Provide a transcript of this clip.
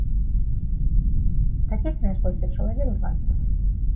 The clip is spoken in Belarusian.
Такіх знайшлося чалавек дваццаць.